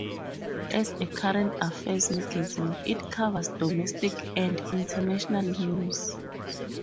As a current affairs magazine, it covers domestic and International news.